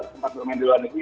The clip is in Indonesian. sempat bermain di luar negeri